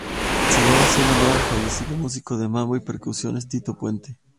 Se llama así en honor al fallecido músico de mambo y percusionista Tito Puente.